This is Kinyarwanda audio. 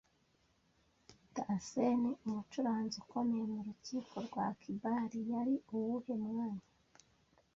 Tansen, umucuranzi ukomeye mu rukiko rwa Akbar, yari uwuhe mwanya